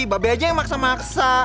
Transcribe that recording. babi aja yang maksa maksa